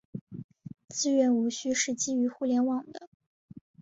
资源无需是基于互联网的。